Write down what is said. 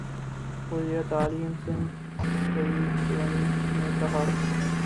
وزیر تعلیم سندھ سعید غنی نےکہا